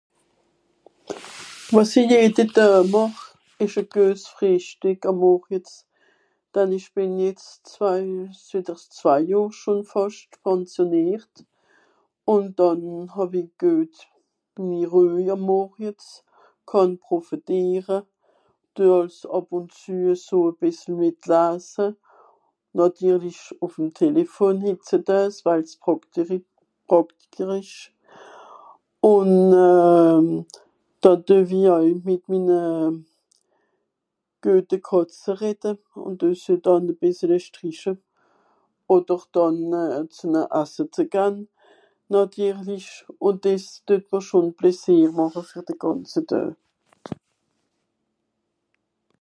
Ce que je fais tous les jours ,: un bon petit dejeuner, car je suis à la retraite depuis près de deux ans et du coup je suis tranquille le matin, je peux profiter j'en profite pour caresser mes deux chats, leur donner à manger et ça ça bme fait déjà plaisir pour toute la journée